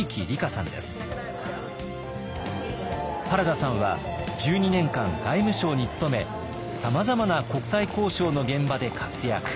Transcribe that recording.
原田さんは１２年間外務省に勤めさまざまな国際交渉の現場で活躍。